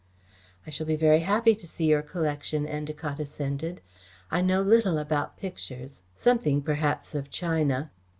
"I shall be very happy to see your collection," Endacott assented. "I know little about pictures; something, perhaps, of china."